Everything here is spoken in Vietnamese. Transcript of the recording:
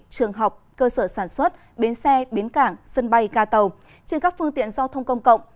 trường học cơ sở sản xuất bến xe bến cảng sân bay ca tàu trên các phương tiện giao thông công cộng